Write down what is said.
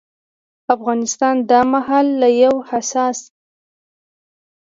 افغانستان دا مهال له يو حساس